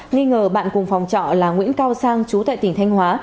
nghi ngờ bạn cùng phòng trọ là nguyễn cao sang chú tại tỉnh thanh hóa